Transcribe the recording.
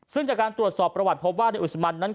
ซึ่งจากการตรวจสอบประวัติโครงพยาบาลดินอุศมันนั้น